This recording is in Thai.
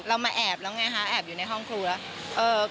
มาแอบแล้วไงคะแอบอยู่ในห้องครัวแล้ว